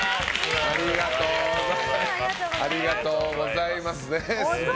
ありがとうございます。